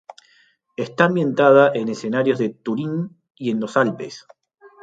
Está ambientada en escenarios de Turín y en los Alpes.